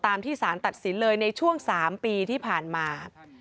ที่สารตัดสินเลยในช่วง๓ปีที่ผ่านมา